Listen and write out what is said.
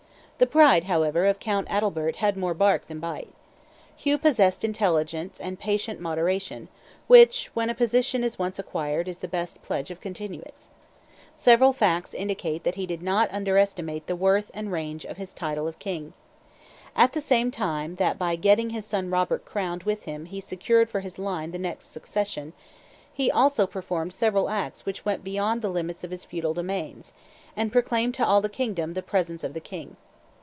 The pride, however, of Count Adalbert had more bark than bite. Hugh possessed that intelligent and patient moderation, which, when a position is once acquired, is the best pledge of continuance. Several facts indicate that he did not underestimate the worth and range of his title of king. At the same time that by getting his son Robert crowned with him he secured for his line the next succession, he also performed several acts which went beyond the limits of his feudal domains, and proclaimed to all the kingdom the presence of the king.